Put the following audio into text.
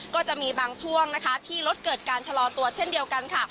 ก็จะมีบางช่วงนะคะที่รถเกิดการชะลอตัวเช่นเดียวกันค่ะ